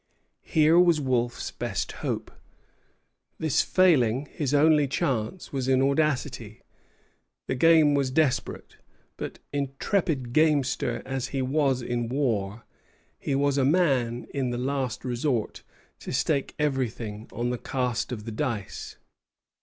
Here was Wolfe's best hope. This failing, his only chance was in audacity. The game was desperate; but, intrepid gamester as he was in war, he was a man, in the last resort, to stake everything on the cast of the dice.